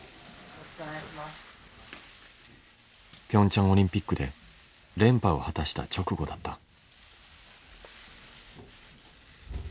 ピョンチャンオリンピックで連覇を果たした直後だった。